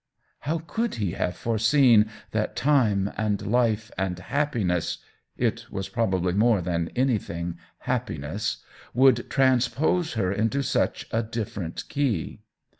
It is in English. How could he have foreseen that time and life and happiness (it was probably more than anything happi ness) would transpose her into such a dif ferent key